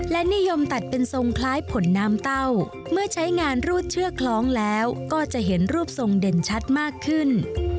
และนิยมตัดเป็นทรงคล้ายผลน้ำเต้าเมื่อใช้งานรูดเชือกคล้องแล้วก็จะเห็นรูปทรงเด่นชัดมากขึ้น